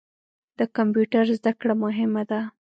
د کمپیوټر زده کړه مهمه ده.